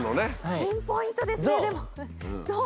ピンポイントですねでも。